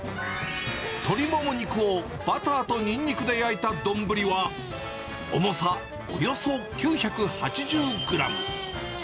鶏モモ肉をバターとにんにくで焼いた丼は、重さおよそ９８０グラム。